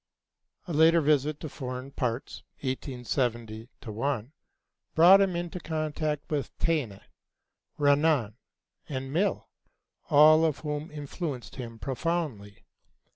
A later visit to foreign parts (1870 1) brought him into contact with Taine, Renan, and Mill, all of whom influenced him profoundly.